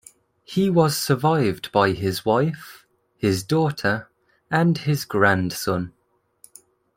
He was survived by his wife, his daughter, and his grandson.